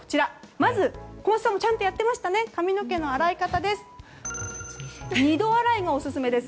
まず、小松さんもちゃんとやっていましたが髪の毛の洗い方ですが二度洗いがおすすめです。